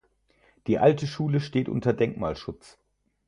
Die alte Schule steht unter Denkmalschutz.